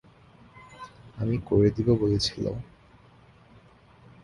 আমি করে দিবো বলেছিলো।